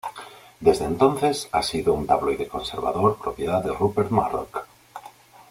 Desde entonces, ha sido un tabloide conservador propiedad de Rupert Murdoch.